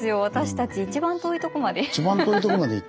私たち一番遠いとこまでフフフ。